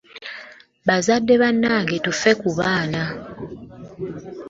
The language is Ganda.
Bazadde bannange tuffe ku baana.